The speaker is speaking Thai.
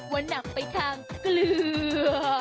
ว่านักไปทางเกลือ